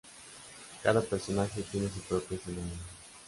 Cada personaje tiene su propio escenario.